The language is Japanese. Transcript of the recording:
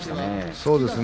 そうですね